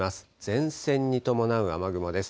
前線に伴う雨雲です。